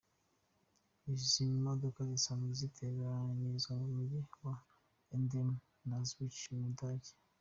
Izi modoka zisanzwe ziteranyirizwa mu mijyi ya Emden na Zwickau mu Budage.